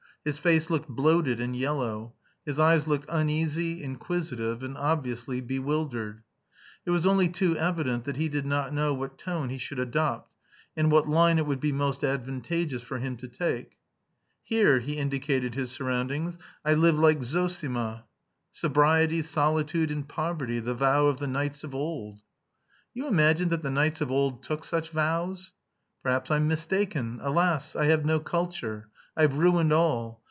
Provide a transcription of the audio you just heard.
His face looked bloated and yellow. His eyes looked uneasy, inquisitive, and obviously bewildered. It was only too evident that he did not know what tone he could adopt, and what line it would be most advantageous for him to take. "Here," he indicated his surroundings, "I live like Zossima. Sobriety, solitude, and poverty the vow of the knights of old." "You imagine that the knights of old took such vows?" "Perhaps I'm mistaken. Alas! I have no culture. I've ruined all.